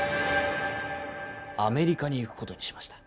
アメリカに行くことにしました。